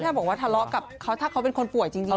ถ้าบอกว่าทะเลาะกับเขาถ้าเขาเป็นคนป่วยจริง